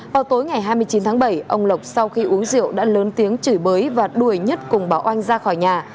vào tối ngày hai mươi chín tháng bảy ông lộc sau khi uống rượu đã lớn tiếng chửi bới và đuổi nhất cùng bà oanh ra khỏi nhà